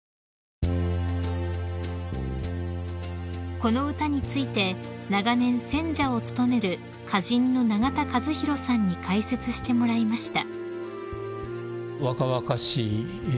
［この歌について長年選者を務める歌人の永田和宏さんに解説してもらいました］